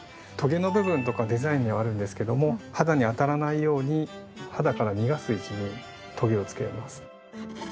トゲの部分とかデザインにはあるんですけども肌に当たらないように肌から逃がす位置にトゲを付けます。